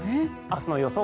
明日の予想